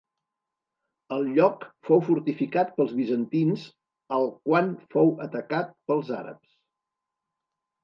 El lloc fou fortificat pels bizantins al quan fou atacat pels àrabs.